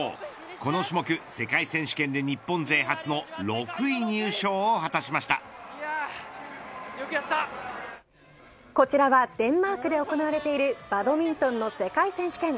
この種目世界選手権で日本勢初のこちらはデンマークで行われているバドミントンの世界選手権。